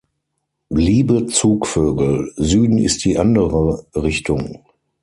Liebe Zugvögel, Süden ist die andere Richtung!